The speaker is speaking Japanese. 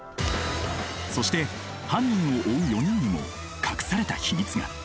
そして犯人を追う４人にも隠された秘密が。